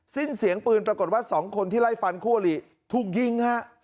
สิ้นเสียงปืนปรากฏว่าสองคนที่ไล่ฟันคู่อลิถูกยิงฮะ